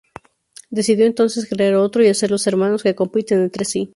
Decidió entonces crear otro y hacerlos hermanos que compiten entre sí.